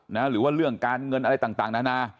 หรือว่าเรื่องการเงินอะไรต่างนานา